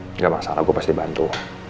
enggak masalah gue pasti bantu